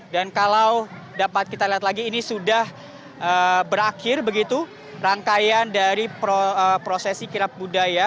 dan kalau dapat kita lihat lagi ini sudah berakhir begitu rangkaian dari prosesi kirap budaya